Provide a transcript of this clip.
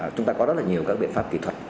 chúng ta có rất nhiều biện pháp kỹ thuật